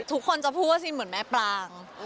ทุกคนจะพูดว่าซิมเหมือนแม่ปลาง